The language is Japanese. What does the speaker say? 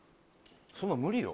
そんなん無理よ